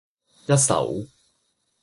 一首